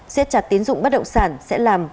siết chặt tín dụng bất động sản sẽ làm